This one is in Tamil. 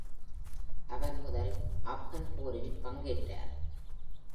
அவர் முதல் ஆஃப்கன் போரில் பங்கேற்றார்.